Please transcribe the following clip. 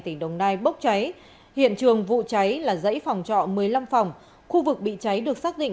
tỉnh đồng nai bốc cháy hiện trường vụ cháy là dãy phòng trọ một mươi năm phòng khu vực bị cháy được xác định